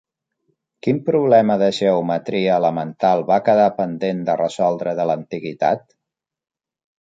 Quin problema de geometria elemental va quedar pendent de resoldre de l'antiguitat?